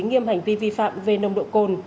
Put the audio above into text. nghiêm hành vi vi phạm về nông độ cồn